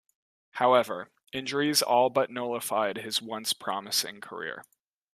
However, injuries all but nullified his once promising career.